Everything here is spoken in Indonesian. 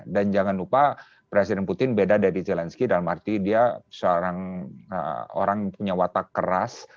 dan jangan lupa presiden putin beda dari zelensky dalam arti dia seorang orang yang punya watak keras